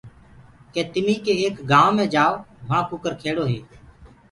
ڪي تمي ڪي ايڪ گآئوُنٚ مي جآئو وهآنٚ ڪٚڪر کيڙو هي۔